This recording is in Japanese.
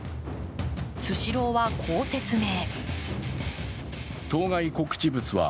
スシローは、こう説明。